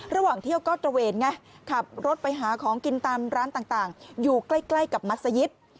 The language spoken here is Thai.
ระหว่างเที่ยวก็ตระเวนไงขับรถไปหาของกินตามร้านต่างอยู่ใกล้กับมัศยิต